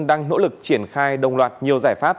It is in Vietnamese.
đang nỗ lực triển khai đồng loạt nhiều giải pháp